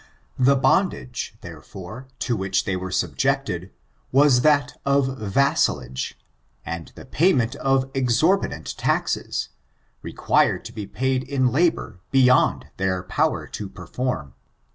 The bondage, therefore, to which they were subjected, was that of vcissalagej and the payment of exorbitant tcLxes^ required to be paid in labor, be yond their power to perform.